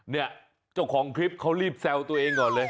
เนี่ยเจ้าของคลิปเขารีบแซวตัวเองก่อนเลย